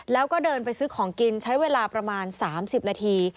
แล้วก็เดินไปซื้อของกินใช้เวลาประมาณ๓๐นาที